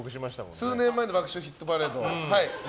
数年前の「爆笑ヒットパレード」ね。